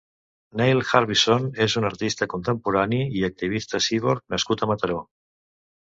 Neil Harbisson és un artista contemporani i activista ciborg nascut a Mataró.